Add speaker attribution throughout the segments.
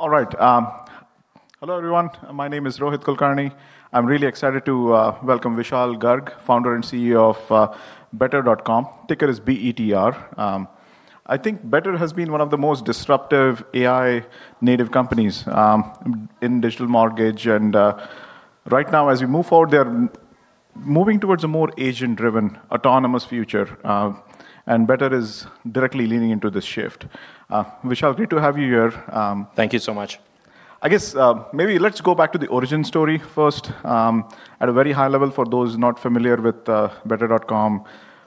Speaker 1: All right. Hello, everyone. My name is Rohit Kulkarni. I'm really excited to welcome Vishal Garg, Founder and CEO of Better.com. Ticker is BETR. I think Better has been one of the most disruptive AI native companies in digital mortgage and right now as we move forward, they're moving towards a more agent-driven, autonomous future, and Better is directly leaning into this shift. Vishal, great to have you here.
Speaker 2: Thank you so much.
Speaker 1: I guess, maybe let's go back to the origin story first. At a very high level for those not familiar with Better.com,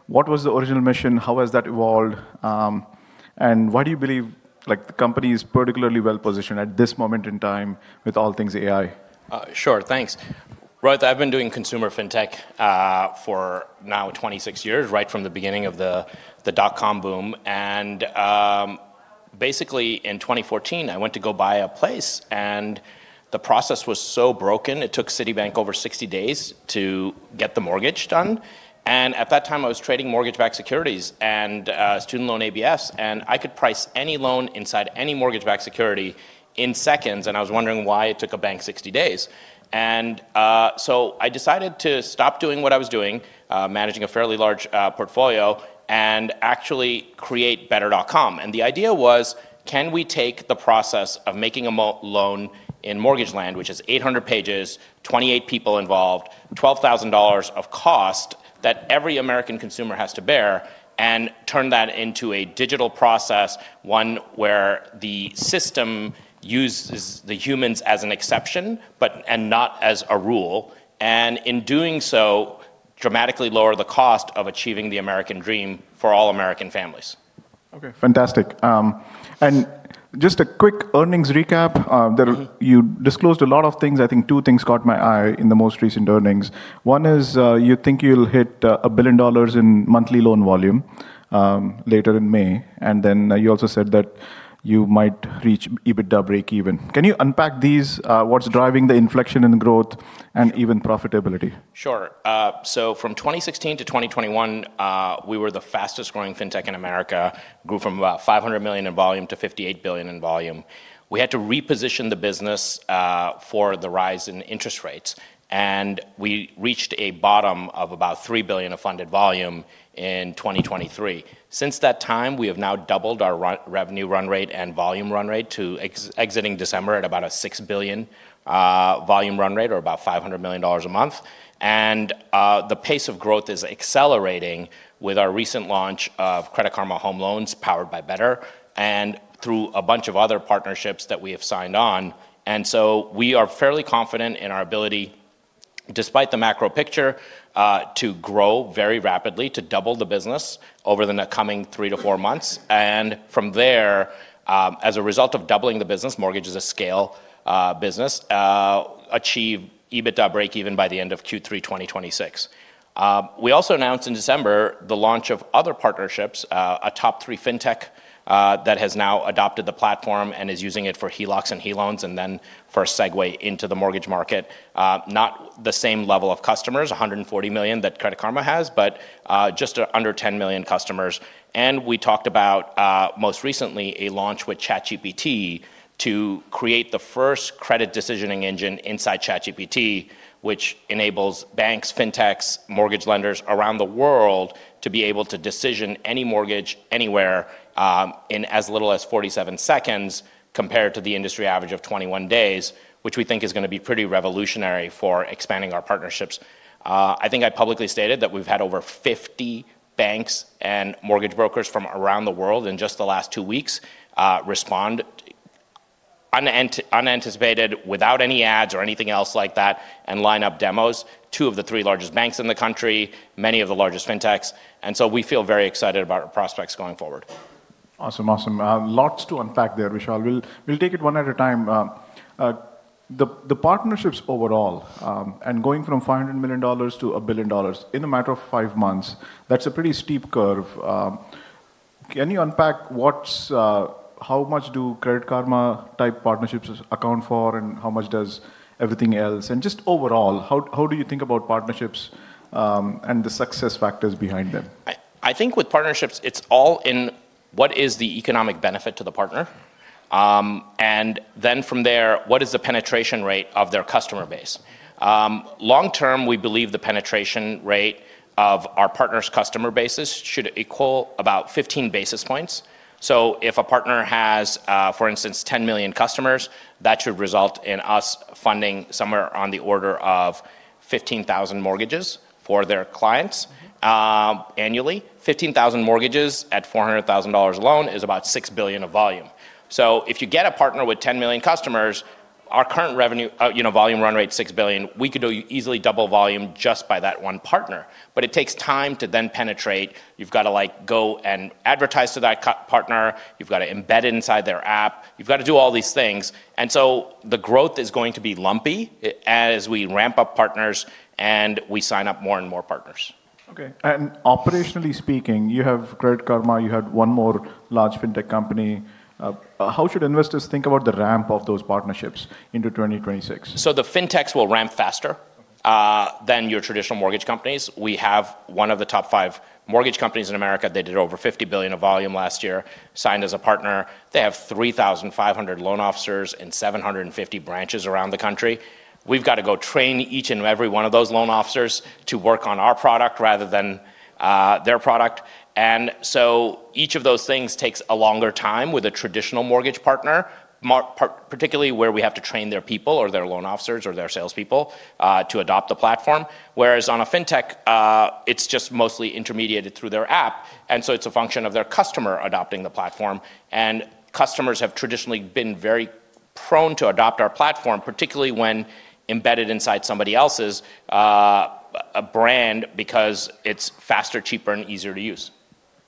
Speaker 1: what was the original mission? How has that evolved? And why do you believe, like, the company is particularly well-positioned at this moment in time with all things AI?
Speaker 2: Sure. Thanks. Rohit, I've been doing consumer fintech for now 26 years, right from the beginning of the dot-com boom. Basically in 2014, I went to go buy a place and the process was so broken, it took Citibank over 60 days to get the mortgage done. At that time, I was trading mortgage-backed securities and student loan ABS and I could price any loan inside any mortgage-backed security in seconds and I was wondering why it took a bank 60 days. I decided to stop doing what I was doing, managing a fairly large portfolio and actually create better.com. The idea was, can we take the process of making a loan in mortgage land, which is 800 pages, 28 people involved, $12,000 of cost that every American consumer has to bear and turn that into a digital process, one where the system uses the humans as an exception and not as a rule, and in doing so, dramatically lower the cost of achieving the American dream for all American families.
Speaker 1: Okay. Fantastic. Just a quick earnings recap. You disclosed a lot of things. I think two things caught my eye in the most recent earnings. One is, you think you'll hit $1 billion in monthly loan volume later in May. You also said that you might reach EBITDA breakeven. Can you unpack these? What's driving the inflection in growth and even profitability?
Speaker 2: Sure. From 2016 to 2021, we were the fastest-growing fintech in America. Grew from about $500 million in volume to $58 billion in volume. We had to reposition the business for the rise in interest rates and we reached a bottom of about $3 billion of funded volume in 2023. Since that time, we have now doubled our revenue run rate and volume run rate to exiting December at about a $6 billion volume run rate or about $500 million a month. The pace of growth is accelerating with our recent launch of Credit Karma Home Loans powered by Better and through a bunch of other partnerships that we have signed on. We are fairly confident in our ability, despite the macro picture, to grow very rapidly, to double the business over the coming three to four months. From there, as a result of doubling the business, mortgage is a scale business, achieve EBITDA breakeven by the end of Q3 2026. We also announced in December the launch of other partnerships, a top three fintech, that has now adopted the platform and is using it for HELOCs and HELOAN and then for a segue into the mortgage market. Not the same level of customers, 140 million that Credit Karma has but just under 10 million customers. We talked about most recently a launch with ChatGPT to create the first credit decisioning engine inside ChatGPT, which enables banks, fintechs, mortgage lenders around the world to be able to decision any mortgage anywhere in as little as 47 seconds compared to the industry average of 21 days, which we think is gonna be pretty revolutionary for expanding our partnerships. I think I publicly stated that we've had over 50 banks and mortgage brokers from around the world in just the last two weeks respond unanticipated without any ads or anything else like that and line up demos. Two of the three largest banks in the country, many of the largest fintechs and so we feel very excited about our prospects going forward.
Speaker 1: Awesome. Lots to unpack there, Vishal. We'll take it one at a time. The partnerships overall, and going from $500 million to $1 billion in a matter of 5 months, that's a pretty steep curve. Can you unpack what's how much do Credit Karma-type partnerships account for and how much does everything else? Just overall, how do you think about partnerships and the success factors behind them?
Speaker 2: I think with partnerships, it's all in what is the economic benefit to the partner. From there, what is the penetration rate of their customer base? Long term, we believe the penetration rate of our partners' customer bases should equal about 15 basis points. If a partner has, for instance, 10 million customers, that should result in us funding somewhere on the order of 15,000 mortgages for their clients, annually. 15,000 mortgages at $400,000 a loan is about $6 billion of volume. If you get a partner with 10 million customers, our current revenue, you know, volume run rate $6 billion, we could do easily double volume just by that one partner. It takes time to then penetrate. You've gotta like go and advertise to that partner. You've gotta embed inside their app. You've gotta do all these things. The growth is going to be lumpy as we ramp up partners and we sign up more and more partners.
Speaker 1: Okay. Operationally speaking, you have Credit Karma, you had one more large fintech company. How should investors think about the ramp of those partnerships into 2026?
Speaker 2: The fintechs will ramp faster than your traditional mortgage companies. We have one of the top five mortgage companies in America. They did over $50 billion of volume last year, signed as a partner. They have 3,500 loan officers in 750 branches around the country. We've got to go train each and every one of those loan officers to work on our product rather than their product. Each of those things takes a longer time with a traditional mortgage partner, particularly where we have to train their people or their loan officers or their salespeople to adopt the platform. Whereas on a fintech, it's just mostly intermediated through their app and so it's a function of their customer adopting the platform. Customers have traditionally been very prone to adopt our platform, particularly when embedded inside somebody else's a brand because it's faster, cheaper and easier to use.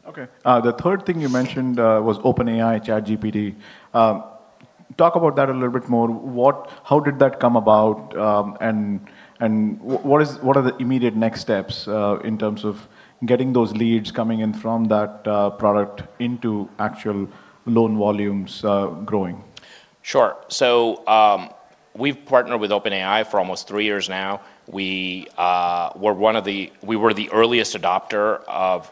Speaker 1: Okay. The third thing you mentioned was OpenAI ChatGPT. Talk about that a little bit more. How did that come about? And what are the immediate next steps in terms of getting those leads coming in from that product into actual loan volumes growing?
Speaker 2: Sure. We've partnered with OpenAI for almost three years now. We were the earliest adopter of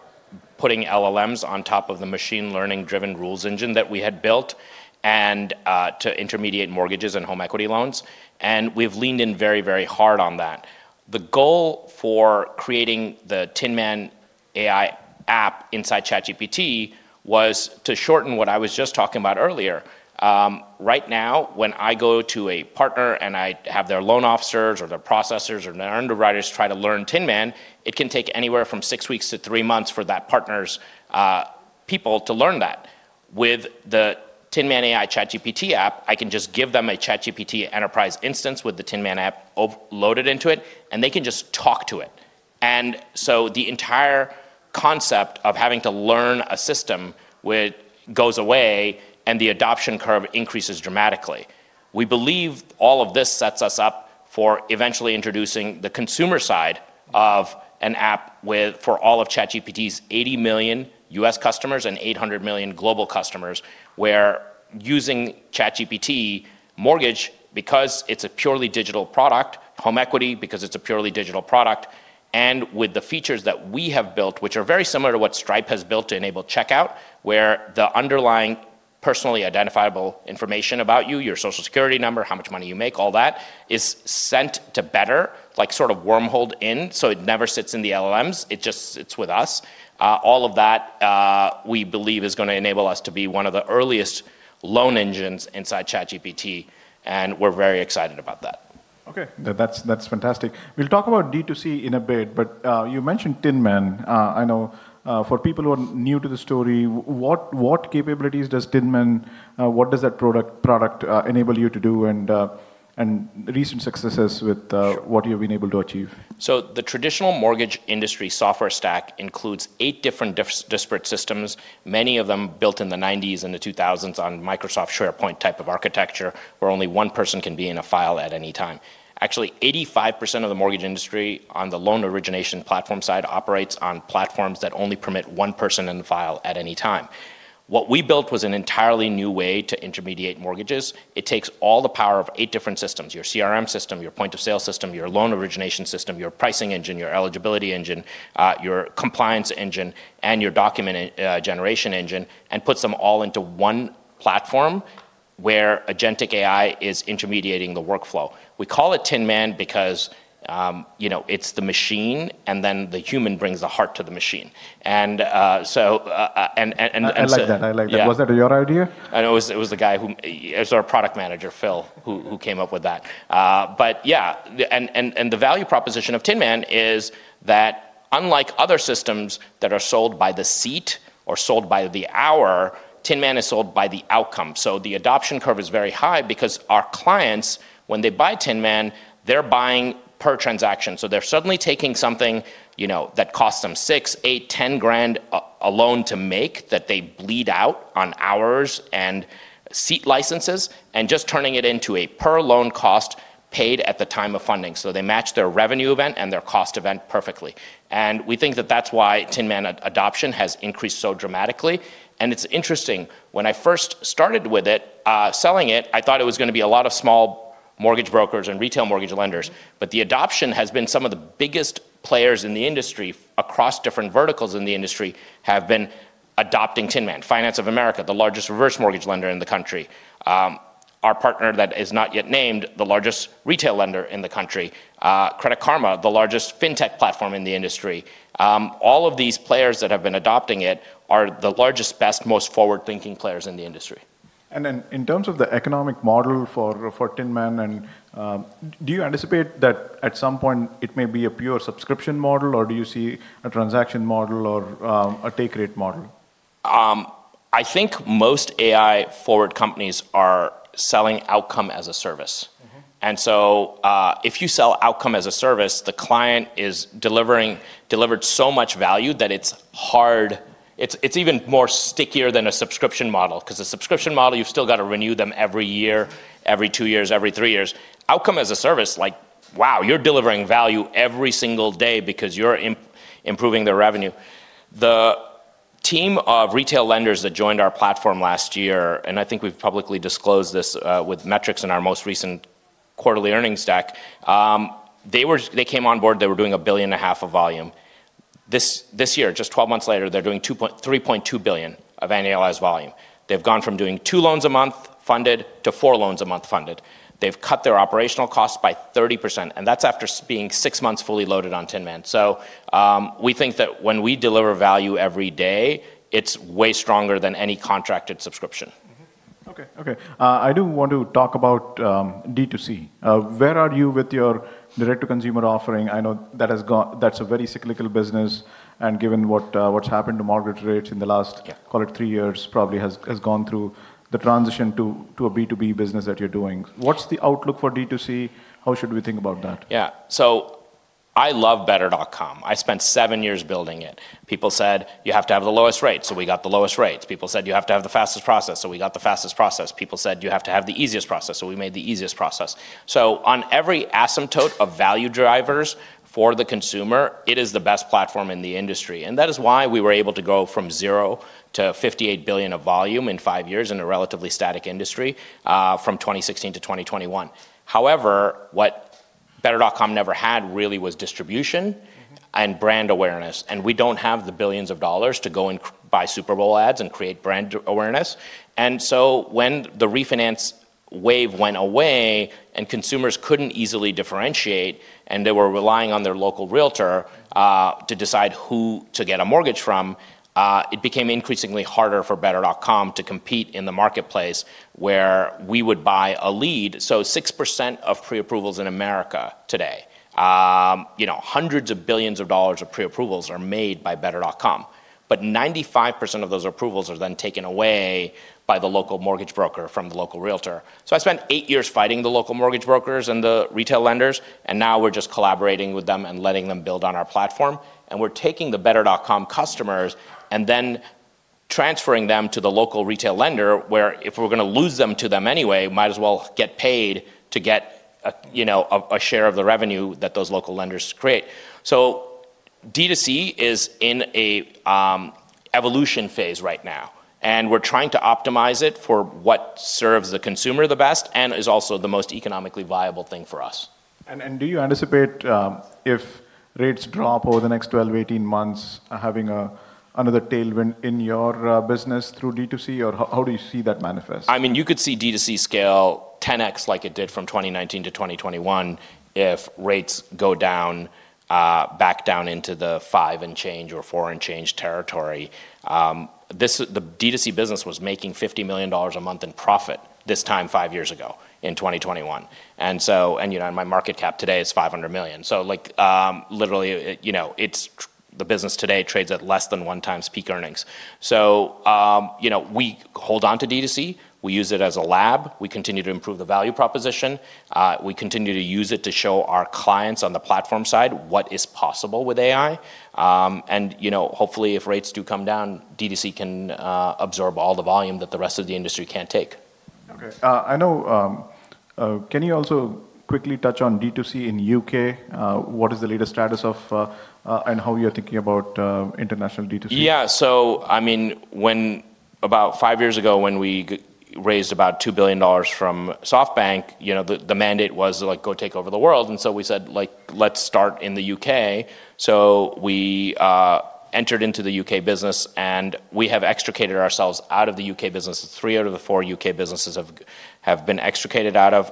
Speaker 2: putting LLMs on top of the machine learning-driven rules engine that we had built and to intermediate mortgages and home equity loans and we've leaned in very, very hard on that. The goal for creating the Tinman AI app inside ChatGPT was to shorten what I was just talking about earlier. Right now, when I go to a partner and I have their loan officers or their processors or their underwriters try to learn Tinman, it can take anywhere from six weeks to three months for that partner's people to learn that. With the Tinman AI ChatGPT app, I can just give them a ChatGPT Enterprise instance with the Tinman app loaded into it and they can just talk to it. The entire concept of having to learn a system goes away, and the adoption curve increases dramatically. We believe all of this sets us up for eventually introducing the consumer side of an app for all of ChatGPT's 80 million U.S. customers and 800 million global customers, where using ChatGPT Mortgage because it's a purely digital product, home equity because it's a purely digital product, and with the features that we have built, which are very similar to what Stripe has built to enable checkout, where the underlying personally identifiable information about you, your Social Security number, how much money you make, all that, is sent to Better, like sort of wormholed in, so it never sits in the LLMs. It just sits with us. All of that, we believe is gonna enable us to be one of the earliest loan engines inside ChatGPT and we're very excited about that.
Speaker 1: Okay. That's fantastic. We'll talk about D2C in a bit but you mentioned Tinman. I know for people who are new to the story, what does that product enable you to do and recent successes with
Speaker 2: Sure
Speaker 1: what you've been able to achieve?
Speaker 2: The traditional mortgage industry software stack includes eight different disparate systems, many of them built in the 1990s and 2000s on Microsoft SharePoint type of architecture where only one person can be in a file at any time. Actually, 85% of the mortgage industry on the loan origination platform side operates on platforms that only permit one person in the file at any time. What we built was an entirely new way to intermediate mortgages. It takes all the power of eight different systems, your CRM system, your point-of-sale system, your loan origination system, your pricing engine, your eligibility engine, your compliance engine, and your document generation engine and puts them all into one platform where agentic AI is intermediating the workflow. We call it Tinman because, you know, it's the machine and then the human brings the heart to the machine. And, uh, so, uh, and, and so-
Speaker 1: I like that.
Speaker 2: Yeah.
Speaker 1: Was that your idea?
Speaker 2: It was our product manager, Phil.
Speaker 1: Mm-hmm
Speaker 2: ...who came up with that. But yeah. The value proposition of Tinman is that unlike other systems that are sold by the seat or sold by the hour, Tinman is sold by the outcome. The adoption curve is very high because our clients, when they buy Tinman, they're buying per transaction. They're suddenly taking something, you know, that costs them $6,000, $8,000, $10,000 a loan to make that they bleed out on hours and seat licenses and just turning it into a per loan cost paid at the time of funding. They match their revenue event and their cost event perfectly. We think that that's why Tinman adoption has increased so dramatically. It's interesting, when I first started with it, selling it, I thought it was gonna be a lot of small mortgage brokers and retail mortgage lenders but the adoption has been some of the biggest players in the industry across different verticals in the industry have been adopting Tinman. Finance of America, the largest reverse mortgage lender in the country. Our partner that is not yet named, the largest retail lender in the country. Credit Karma, the largest fintech platform in the industry. All of these players that have been adopting it are the largest, best, most forward-thinking players in the industry.
Speaker 1: In terms of the economic model for Tinman, do you anticipate that at some point it may be a pure subscription model or do you see a transaction model or a take rate model?
Speaker 2: I think most AI-forward companies are selling outcome as a service.
Speaker 1: Mm-hmm.
Speaker 2: If you sell outcome as a service, the client delivered so much value that it's hard. It's even more stickier than a subscription model, 'cause a subscription model, you've still got to renew them every year, every two years, every three years. Outcome as a service, like, wow, you're delivering value every single day because you're improving their revenue. The team of retail lenders that joined our platform last year and I think we've publicly disclosed this with metrics in our most recent quarterly earnings deck. They came on board, they were doing $1.5 billion of volume. This year, just twelve months later, they're doing $3.2 billion of annualized volume. They've gone from doing two loans a month funded to four loans a month funded. They've cut their operational costs by 30%, and that's after being six months fully loaded on Tinman. We think that when we deliver value every day, it's way stronger than any contracted subscription.
Speaker 1: Mm-hmm. Okay. I do want to talk about D2C. Where are you with your direct-to-consumer offering? I know that's a very cyclical business and given what's happened to mortgage rates in the last-
Speaker 2: Yeah
Speaker 1: Call it three years, probably has gone through the transition to a B2B business that you're doing. What's the outlook for D2C? How should we think about that?
Speaker 2: Yeah. I love Better.com. I spent seven years building it. People said, "You have to have the lowest rates," so we got the lowest rates. People said, "You have to have the fastest process," so we got the fastest process. People said, "You have to have the easiest process," so we made the easiest process. On every asymptote of value drivers for the consumer, it is the best platform in the industry. That is why we were able to go from zero to $58 billion of volume in five years in a relatively static industry from 2016 to 2021. However, what Better.com never had really was distribution.
Speaker 1: Mm-hmm
Speaker 2: Brand awareness and we don't have the billions of dollars to go and buy Super Bowl ads and create brand awareness and so when the refinance wave went away and consumers couldn't easily differentiate and they were relying on their local realtor to decide who to get a mortgage from, it became increasingly harder for Better.com to compete in the marketplace where we would buy a lead. Six percent of pre-approvals in America today, you know, hundreds of billions of dollars of pre-approvals are made by Better.com. Ninety-five percent of those approvals are then taken away by the local mortgage broker from the local realtor. I spent eight years fighting the local mortgage brokers and the retail lenders and now we're just collaborating with them and letting them build on our platform. We're taking the Better.com customers and then transferring them to the local retail lender, where if we're gonna lose them to them anyway, might as well get paid to get a, you know, a share of the revenue that those local lenders create. D2C is in a evolution phase right now and we're trying to optimize it for what serves the consumer the best and is also the most economically viable thing for us.
Speaker 1: Do you anticipate, if rates drop over the next 12-18 months, having another tailwind in your business through D2C or how do you see that manifest?
Speaker 2: I mean, you could see D2C scale 10x like it did from 2019 to 2021 if rates go down, back down into the five and change or four and change territory. The D2C business was making $50 million a month in profit this time five years ago in 2021. You know, and my market cap today is $500 million. Like, literally, it, you know, the business today trades at less than 1x peak earnings. You know, we hold on to D2C. We use it as a lab. We continue to improve the value proposition. We continue to use it to show our clients on the platform side what is possible with AI. You know, hopefully, if rates do come down, D2C can absorb all the volume that the rest of the industry can't take.
Speaker 1: Okay. I know, can you also quickly touch on D2C in U.K.? What is the latest status of, and how you're thinking about, international D2C?
Speaker 2: I mean, when about five years ago, when we raised about $2 billion from SoftBank, you know, the mandate was to, like, go take over the world. We said, like, "Let's start in the U.K." We entered into the U.K. business and we have extricated ourselves out of the U.K. business. Three out of the four U.K. businesses have been extricated out of.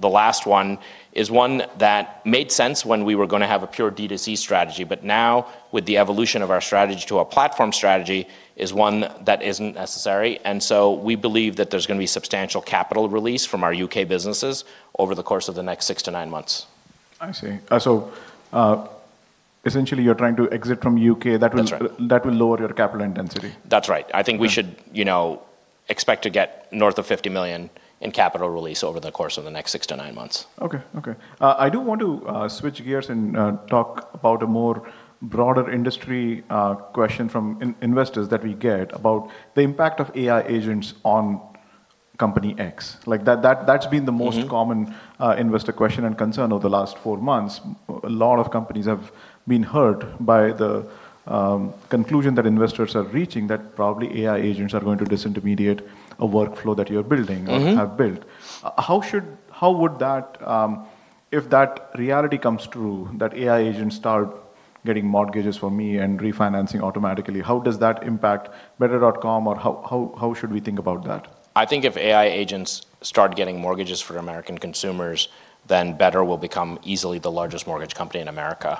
Speaker 2: The last one is one that made sense when we were gonna have a pure D2C strategy. Now, with the evolution of our strategy to a platform strategy, it is one that isn't necessary. We believe that there's gonna be substantial capital release from our U.K. businesses over the course of the next six to nine months.
Speaker 1: I see. Essentially, you're trying to exit from U.K.
Speaker 2: That's right.
Speaker 1: That will lower your capital intensity.
Speaker 2: That's right. I think we should, you know, expect to get north of $50 million in capital release over the course of the next six to nine months.
Speaker 1: Okay. I do want to switch gears and talk about a more broader industry question from investors that we get about the impact of AI agents on company X. Like, that's been the most-
Speaker 2: Mm-hmm
Speaker 1: A common investor question and concern over the last four months. A lot of companies have been hurt by the conclusion that investors are reaching that probably AI agents are going to disintermediate a workflow that you're building.
Speaker 2: Mm-hmm
Speaker 1: have built. How would that, if that reality comes true, that AI agents start getting mortgages for me and refinancing automatically, how does that impact Better.com or how should we think about that?
Speaker 2: I think if AI agents start getting mortgages for American consumers, then Better will become easily the largest mortgage company in America.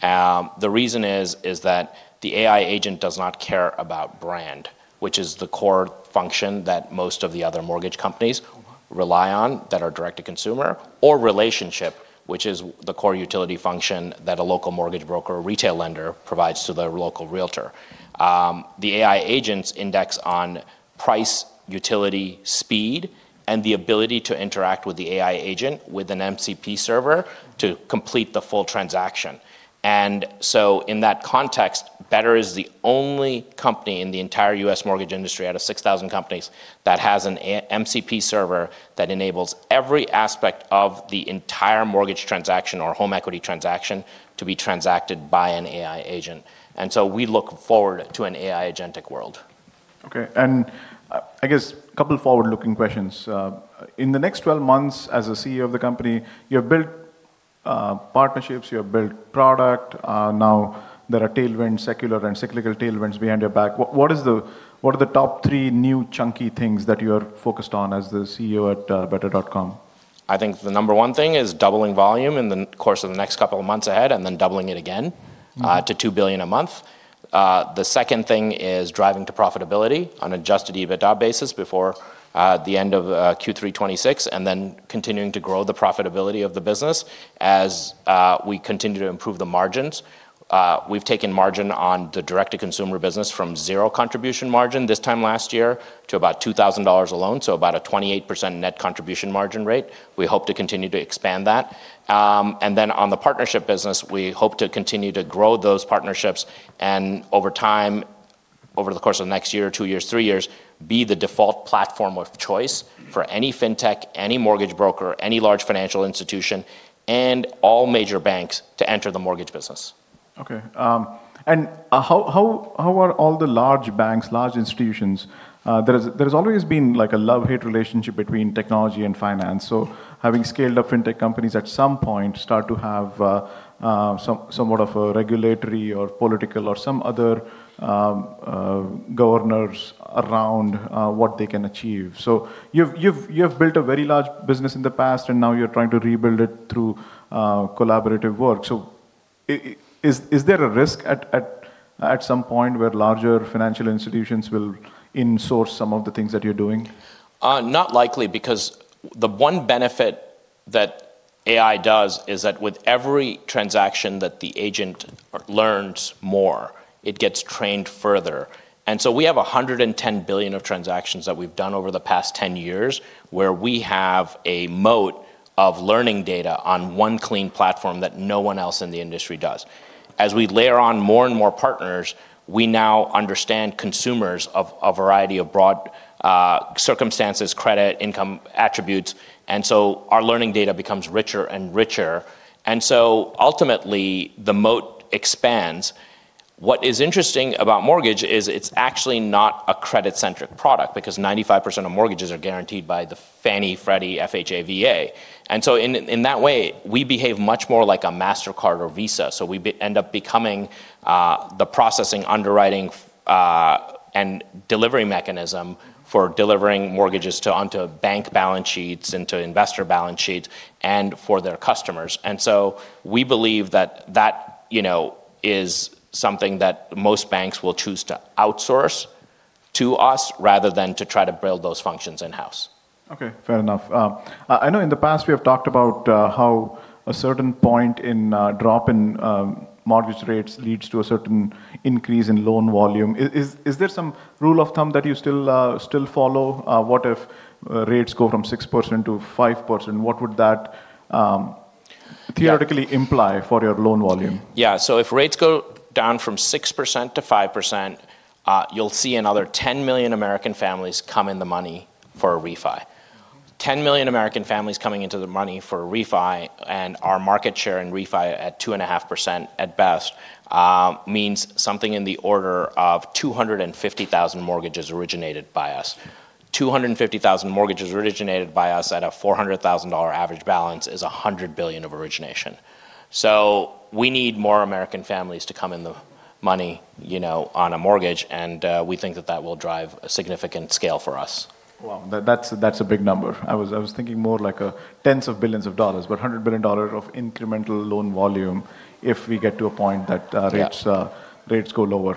Speaker 2: The reason is that the AI agent does not care about brand which is the core function that most of the other mortgage companies rely on that are direct to consumer or relationship, which is the core utility function that a local mortgage broker or retail lender provides to the local realtor. The AI agents index on price, utility, speed and the ability to interact with the AI agent with an MCP server to complete the full transaction. In that context, Better is the only company in the entire U.S. mortgage industry out of 6,000 companies that has an MCP server that enables every aspect of the entire mortgage transaction or home equity transaction to be transacted by an AI agent. We look forward to an AI agentic world.
Speaker 1: Okay. I guess a couple forward-looking questions. In the next 12 months as a CEO of the company, you have built partnerships, you have built product. Now there are tailwinds, secular and cyclical tailwinds behind your back. What are the top three new chunky things that you're focused on as the CEO at Better.com?
Speaker 2: I think the number one thing is doubling volume in the course of the next couple of months ahead and then doubling it again.
Speaker 1: Mm-hmm.
Speaker 2: to $2 billion a month. The second thing is driving to profitability on adjusted EBITDA basis before the end of Q3 2026 and then continuing to grow the profitability of the business as we continue to improve the margins. We've taken margin on the direct-to-consumer business from zero contribution margin this time last year to about $2,000 alone, so about a 28% net contribution margin rate. We hope to continue to expand that. On the partnership business, we hope to continue to grow those partnerships and over time, over the course of the next year, two years, three years, be the default platform of choice for any fintech, any mortgage broker, any large financial institution and all major banks to enter the mortgage business.
Speaker 1: Okay. How are all the large banks, large institutions? There has always been like a love-hate relationship between technology and finance. Having scaled up fintech companies at some point start to have somewhat of a regulatory or political or some other governors around what they can achieve. You've built a very large business in the past and now you're trying to rebuild it through collaborative work. Is there a risk at some point where larger financial institutions will in-source some of the things that you're doing?
Speaker 2: Not likely because the one benefit that AI does is that with every transaction that the agent learns more, it gets trained further. We have 110 billion of transactions that we've done over the past 10 years where we have a moat of learning data on one clean platform that no one else in the industry does. As we layer on more and more partners, we now understand consumers of a variety of broad circumstances, credit, income attributes and so our learning data becomes richer and richer. Ultimately, the moat expands. What is interesting about mortgage is it's actually not a credit-centric product because 95% of mortgages are guaranteed by the Fannie, Freddie, FHA, VA. In that way, we behave much more like a Mastercard or Visa. We end up becoming the processing, underwriting, and delivery mechanism for delivering mortgages onto bank balance sheets and to investor balance sheets and for their customers. We believe that, you know, is something that most banks will choose to outsource to us rather than to try to build those functions in-house.
Speaker 1: Okay, fair enough. I know in the past we have talked about how a certain point in drop in mortgage rates leads to a certain increase in loan volume. Is there some rule of thumb that you still follow? What if rates go from 6%-5%? What would that
Speaker 2: Yeah.
Speaker 1: theoretically imply for your loan volume?
Speaker 2: Yeah. If rates go down from 6%-5%, you'll see another 10 million American families come in the money for a refi. 10 million American families coming into the money for a refi and our market share in refi at 2.5% at best means something in the order of 250,000 mortgages originated by us. 250,000 mortgages originated by us at a $400,000 average balance is $100 billion of origination. We need more American families to come in the money, you know, on a mortgage and we think that that will drive a significant scale for us.
Speaker 1: Wow. That's a big number. I was thinking more like tens of billions of dollars but $100 billion of incremental loan volume if we get to a point that.
Speaker 2: Yeah.
Speaker 1: Rates go lower.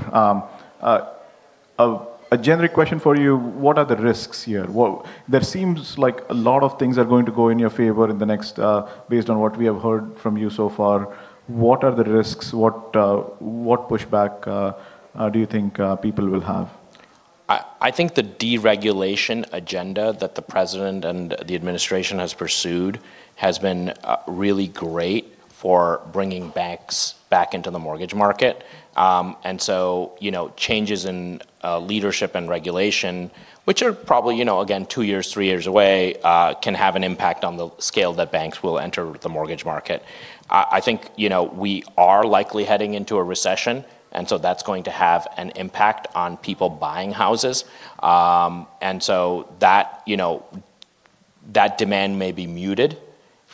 Speaker 1: A general question for you, what are the risks here? Well, there seems like a lot of things are going to go in your favor in the next, based on what we have heard from you so far. What are the risks? What pushback do you think people will have?
Speaker 2: I think the deregulation agenda that the president and the administration has pursued has been really great for bringing banks back into the mortgage market. You know, changes in leadership and regulation, which are probably, you know, again, two years, three years away, can have an impact on the scale that banks will enter the mortgage market. I think, you know, we are likely heading into a recession and so that's going to have an impact on people buying houses. That demand may be muted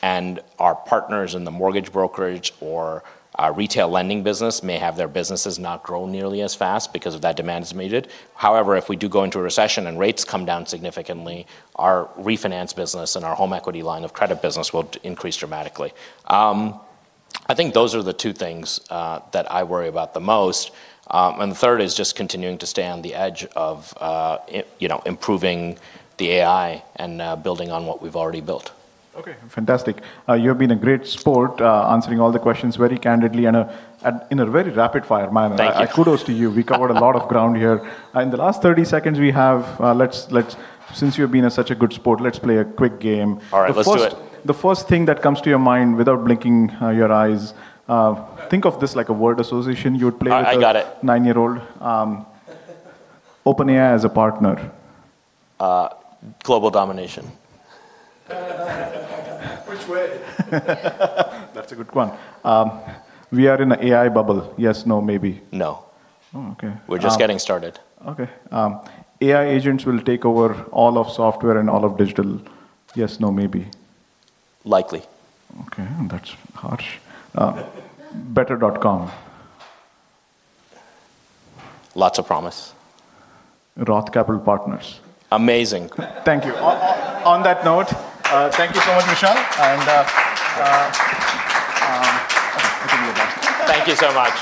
Speaker 2: and our partners in the mortgage brokerage or our retail lending business may have their businesses not grow nearly as fast because that demand is muted. However, if we do go into a recession and rates come down significantly, our refinance business and our home equity line of credit business will increase dramatically. I think those are the two things that I worry about the most. The third is just continuing to stay on the edge of, you know, improving the AI and building on what we've already built.
Speaker 1: Okay, fantastic. You've been a great sport, answering all the questions very candidly and in a very rapid-fire manner.
Speaker 2: Thank you.
Speaker 1: Kudos to you. We covered a lot of ground here. In the last 30 seconds we have. Since you've been such a good sport, let's play a quick game.
Speaker 2: All right, let's do it.
Speaker 1: The first thing that comes to your mind without blinking your eyes. Think of this like a word association you would play.
Speaker 2: I got it.
Speaker 1: with a nine-year-old. OpenAI as a partner.
Speaker 2: Global domination.
Speaker 1: That's a good one. We are in an AI bubble. Yes, no, maybe?
Speaker 2: No.
Speaker 1: Oh, okay.
Speaker 2: We're just getting started.
Speaker 1: Okay. AI agents will take over all of software and all of digital. Yes, no, maybe?
Speaker 2: Likely.
Speaker 1: Okay. That's harsh. Better.com.
Speaker 2: Lots of promise.
Speaker 1: Roth Capital Partners.
Speaker 2: Amazing.
Speaker 1: Thank you. On that note, thank you so much, Vishal. I'll give you a hug.
Speaker 2: Thank you so much.